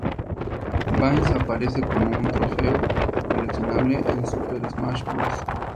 Vince aparece como un trofeo coleccionable en "Super Smash Bros.